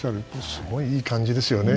すごいいい感じですよね。